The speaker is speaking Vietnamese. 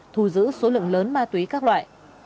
thu giữ số lượng lớn ma túy các loại